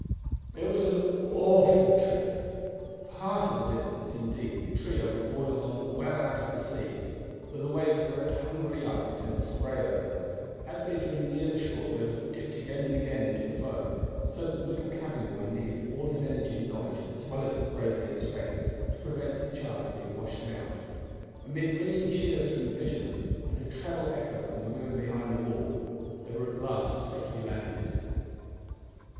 It was an awful trip! Part of the distance, indeed, the trio were borne along well out of the sea, though the waves leaped hungrily up and sent spray over them, but as they drew near the shore they were dipped again and again into the foam, so that the little cabin boy needed all his energy and knowledge, as well as his bravery and strength, to prevent his charge being washed out. Amid ringing cheers from the fishermen and a treble echo from the women behind the wall they were at last safely landed.